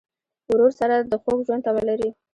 ورور سره د خوږ ژوند تمه لرې.